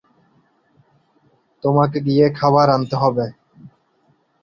তোমাকে গিয়ে খাবার আনতে হবে।